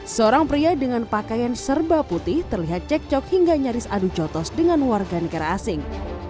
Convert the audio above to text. seorang pria dengan pakaian serba putih terlihat cek cok hingga nyaris adu cotos dengan warga negara asing